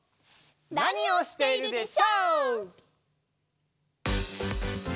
「なにをしているでショー？」！